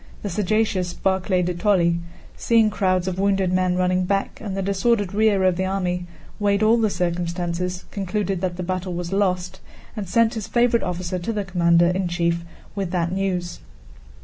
The sagacious Barclay de Tolly, seeing crowds of wounded men running back and the disordered rear of the army, weighed all the circumstances, concluded that the battle was lost, and sent his favorite officer to the commander in chief with that news.